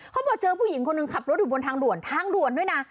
เขาบอกเจอผู้หญิงคนหนึ่งขับรถอยู่บนทางด่วนทางด่วนด้วยนะ